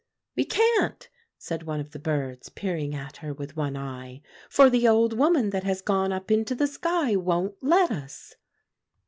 "'We can't,' said one of the birds, peering at her with one eye; 'for the old woman that has gone up into the sky won't let us.